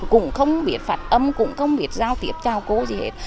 cũng không biết phạt âm cũng không biết giao tiếp chào cô gì hết